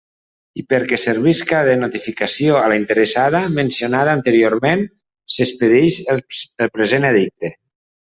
I perquè servisca de notificació a la interessada mencionada anteriorment, s'expedeix el present edicte.